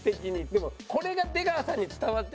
でもこれが出川さんに伝わってないから。